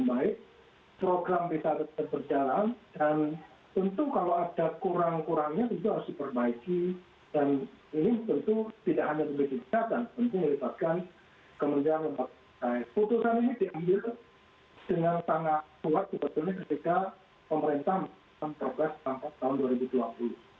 putusan ini diambil dengan sangat kuat sebetulnya ketika pemerintahan berprogres sampai tahun dua ribu dua puluh